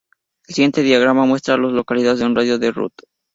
El siguiente diagrama muestra a las localidades en un radio de de Ruth.